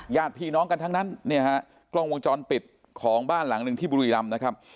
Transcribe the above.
ญาติพี่น้องกันทั้งนั้นเนี่ยฮะกล้องวงจรปิดของบ้านหลังหนึ่งที่บุรีรำนะครับ